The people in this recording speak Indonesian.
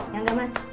ya gak mas